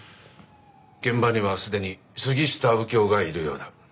現場にはすでに杉下右京がいるようだ。